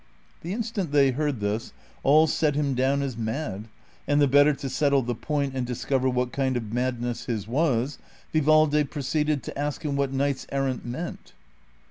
The instant they heard this all set him do svn as mad, and the better to settle the point and discover what kind of mad ness his was, Vivaldo proceeded to ask him what knights errant meant.